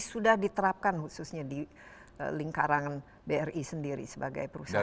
sudah diterapkan khususnya di lingkaran bri sendiri sebagai perusahaan